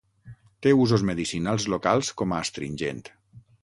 Té usos medicinals locals com a astringent.